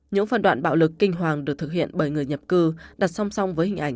những phần đoạn bạo lực kinh hoàng được thực hiện bởi người nhập cư đặt song song với hình ảnh